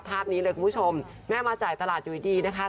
ภาพนี้เลยคุณผู้ชมแม่มาจ่ายตลาดอยู่ดีนะคะ